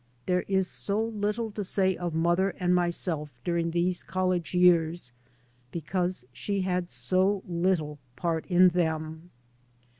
There is so little to say of mother and myself during these college years because she had so little part in them.